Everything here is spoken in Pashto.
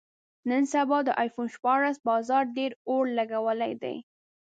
نن سبا د ایفون شپاړس بازار ډېر اور لګولی دی.